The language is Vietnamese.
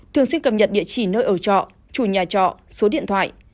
thường xuyên cập nhật địa chỉ nơi ở trọ chủ nhà trọ số điện thoại